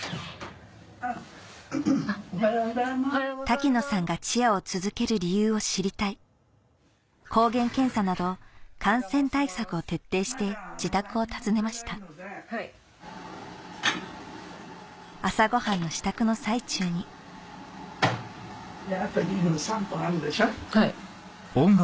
滝野さんがチアを続ける理由を知りたい抗原検査など感染対策を徹底して自宅を訪ねました朝ご飯の支度の最中にはい。